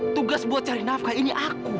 tugas buat cari nafkah ini aku